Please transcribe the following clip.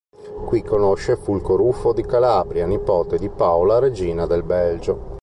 Qui conosce Fulco Ruffo di Calabria, nipote di Paola, Regina del Belgio.